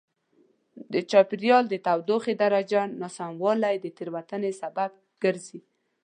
د چاپېریال د تودوخې درجې ناسموالی د تېروتنې سبب ګرځي.